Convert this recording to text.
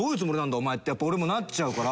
お前ってやっぱ俺もなっちゃうから。